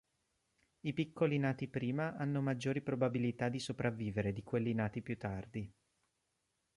I piccoli nati prima hanno maggiori probabilità di sopravvivere di quelli nati più tardi.